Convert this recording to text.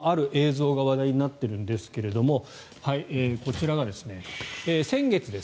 そして今ハワイ上空のある映像が話題になっているんですがこちらが先月です。